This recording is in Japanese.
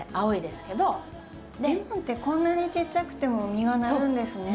レモンってこんなにちっちゃくても実がなるんですね。